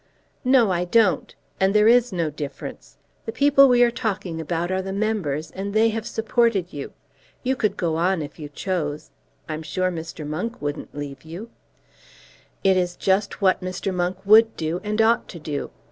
"No, I don't. And there is no difference. The people we are talking about are the members, and they have supported you. You could go on if you chose. I'm sure Mr. Monk wouldn't leave you." "It is just what Mr. Monk would do, and ought to do.